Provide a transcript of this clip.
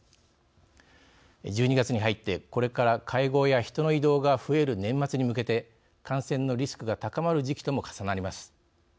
１２月に入ってこれから会合や人の移動が増える年末に向けて、感染のリスクが高まる時期とも重なります。